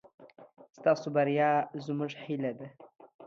ستاسو بريا زموږ هيله ده.